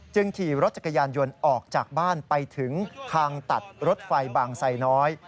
ขี่รถจักรยานยนต์ออกจากบ้านไปถึงทางตัดรถไฟบางไซน้อย